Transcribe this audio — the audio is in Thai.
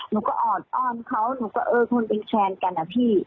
หนูก็เออคุณเป็นแชร์กันนะพี่